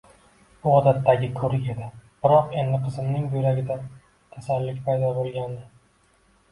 Bu odatdagi ko`rik edi, biroq endi qizimning buyragida kasallik paydo bo`lgandi